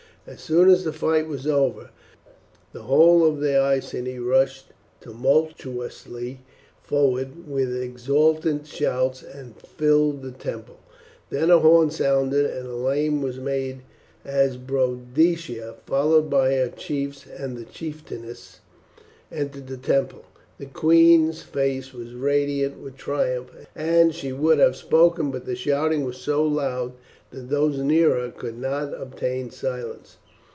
As soon as the fight was over the whole of the Iceni rushed tumultuously forward with exultant shouts and filled the temple; then a horn sounded and a lane was made, as Boadicea, followed by her chiefs and chieftainesses, entered the temple. The queen's face was radiant with triumph, and she would have spoken but the shouting was so loud that those near her could not obtain silence.